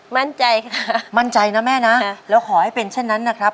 มั่นใจค่ะมั่นใจนะแม่นะแล้วขอให้เป็นเช่นนั้นนะครับ